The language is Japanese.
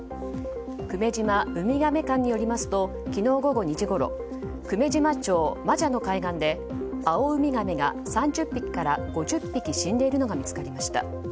久米島ウミガメ館によりますと昨日午後２時ごろ久米島町真謝の海岸でアオウミガメが３０匹から５０匹死んでいるのが見つかりました。